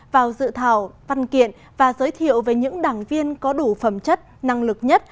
vào dự thảo văn kiện và giới thiệu về những đảng viên có đủ phẩm chất năng lực nhất